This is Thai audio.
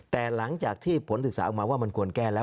แต่หลังจากที่ผลศึกษาออกมาว่ามันควรแก้แล้ว